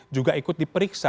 juga ikut diperiksa